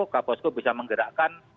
kaposko bisa menggerakkan